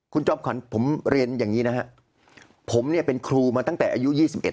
คุณจอมขวัญผมเรียนอย่างนี้นะฮะผมเนี่ยเป็นครูมาตั้งแต่อายุ๒๑